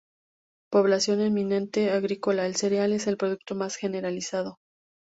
Población eminentemente agrícola, el cereal es el producto más generalizado.